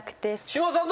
嶋田さん